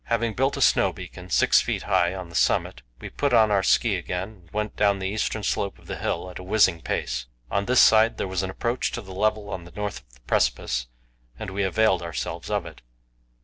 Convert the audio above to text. Having built a snow beacon, 6 feet high, on the summit, we put on our ski again and went down the eastern slope of the hill at a whizzing pace. On this side there was an approach to the level on the north of the precipice, and we availed ourselves of it.